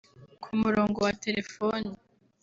Ku murongo wa telefoni